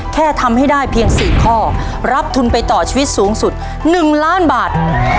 แค่ทำให้ได้เพียง๔ข้อรับทุนไปต่อชีวิตสูงสุด๑ล้านบาท